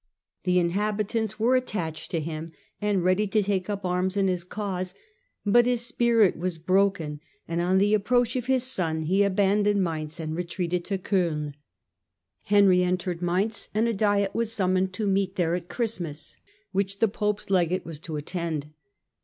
The inhabi tants were attached to him, and ready to take up arms in his cause; but his spirit was broken, and on the approach of his pon he abandoned Mainz and retreated to 05ln. Henry entered Mainz, and a diet was summoned to meet there at Christmas, which the pope's Jegate was to attend.